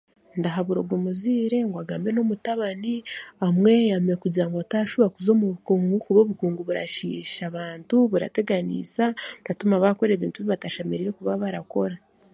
Ndahabura ogwo muzaire ngu agambe n'omutabani amweyame kugira ngu ataashuba kuza omu bukunga ahakuba obukungu burashiisha abantu burateganiisa buratuma abantu baakora ebintu ebi batashemereire kuba barakora.